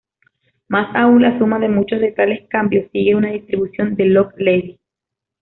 Más aún, la suma de muchos de tales cambios sigue una distribución de log-Levy.